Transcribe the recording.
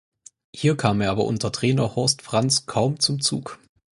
Hier kam er aber unter Trainer Horst Franz kaum zum Zug.